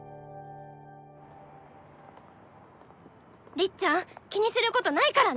りっちゃん気にすることないからね！